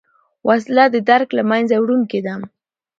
وسله د درک له منځه وړونکې ده